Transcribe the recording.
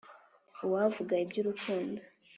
Uwavuga iby'urukundo